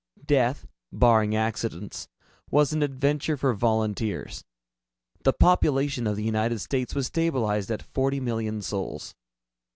Death, barring accidents, was an adventure for volunteers. The population of the United States was stabilized at forty million souls.